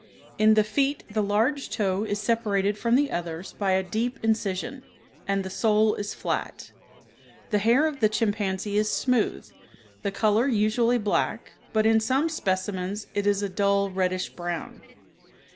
In the feet the large toe is separated from the others by a deep incision; and the sole is flat. The hair of the chimpanzee is smooth, the color usually black, but in some specimens it is a dull, reddish brown.